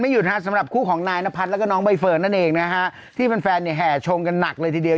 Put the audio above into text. อย่างนั้นเองนะคะที่แฟนแหน่ชงกันหนักเลยทีเดียว